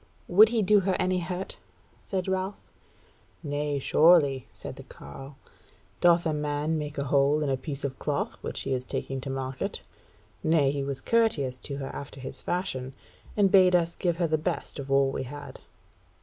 "Would he do her any hurt?" said Ralph. "Nay, surely," said the carle; "doth a man make a hole in a piece of cloth which he is taking to market? Nay, he was courteous to her after his fashion, and bade us give her the best of all we had."